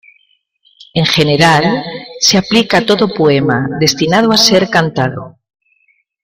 En general se aplica a todo poema destinado a ser cantado.